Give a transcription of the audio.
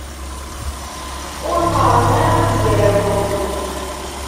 Ur qeṛṛen ara azger ar uɣyul.